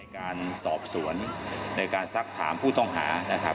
การสอบสวนในการซักถามผู้ต้องหานะครับ